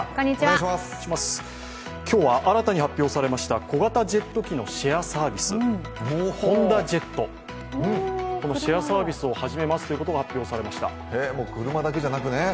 今日は、新たに発表されました小型ジェット機のシェアサービス、ホンダジェット、シェアサービスを始めますということがもう車だけじゃなくね。